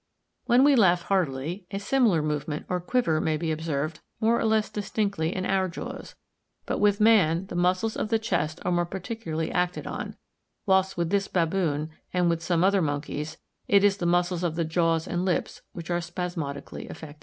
When we laugh heartily, a similar movement, or quiver, may be observed more or less distinctly in our jaws; but with man the muscles of the chest are more particularly acted on, whilst with this baboon, and with some other monkeys, it is the muscles of the jaws and lips which are spasmodically affected.